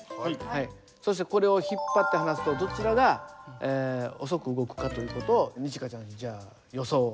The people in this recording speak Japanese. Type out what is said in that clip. そしてこれを引っ張って離すとどちらが遅く動くかという事を二千翔ちゃんじゃあ予想を。